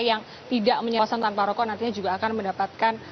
yang tidak menyebaskan tanpa rokok nantinya juga akan mendapatkan